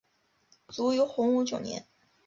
卒于洪武九年。